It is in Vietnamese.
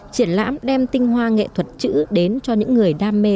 triển lãm đem tinh hoa nghệ thuật chữ đến cho những người đam mê